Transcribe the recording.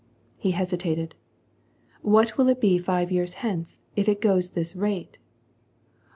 He hesitated: "What will it be five yeart hence, if it goes at this rate.